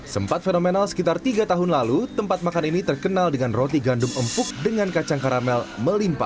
sempat fenomenal sekitar tiga tahun lalu tempat makan ini terkenal dengan roti gandum empuk dengan kacang karamel melimpa